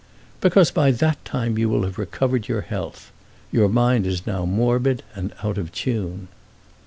"Because by that time you will have recovered your health. Your mind now is morbid, and out of tune."